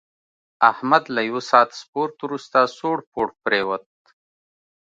احمد له یوه ساعت سپورت ورسته سوړ پوړ پرېوت.